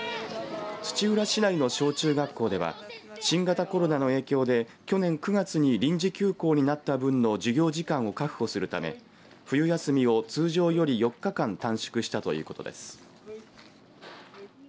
土浦市内の小中学校では新型コロナの影響で去年９月に臨時休校になった分の授業時間を確保するため冬休みを通常より４日間短縮したということです。